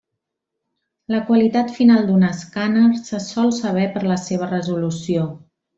La qualitat final d'un escàner se sol saber per la seva resolució.